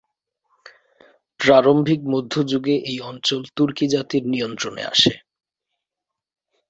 প্রারম্ভিক মধ্যযুগে এই অঞ্চল তুর্কি জাতির নিয়ন্ত্রণে আসে।